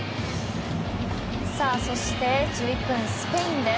そして１１分スペインです。